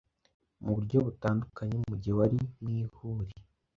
muburyo butandukanye Mugihe wari mwihuri,